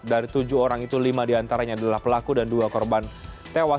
dari tujuh orang itu lima diantaranya adalah pelaku dan dua korban tewas